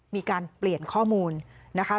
ไม่รู้จริงว่าเกิดอะไรขึ้น